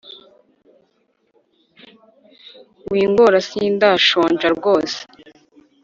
wingora sindashonja rwose